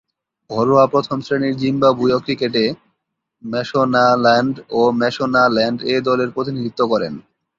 ঘরোয়া প্রথম-শ্রেণীর জিম্বাবুয়ীয় ক্রিকেটে ম্যাশোনাল্যান্ড ও ম্যাশোনাল্যান্ড এ দলের প্রতিনিধিত্ব করেন।